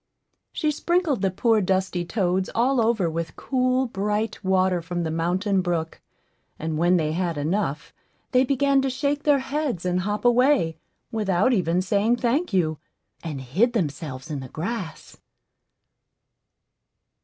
She sprinkled the poor dusty toads all over with cool, bright water from the mountain brook; and when they had enough, they began to shake their heads and hop away, without even saying, "Thank you," and hid themselves in the grass.